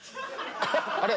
あれ？